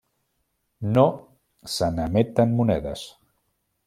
No se n'emeten monedes.